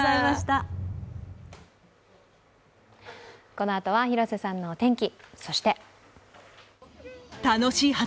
このあとは広瀬さんのお天気。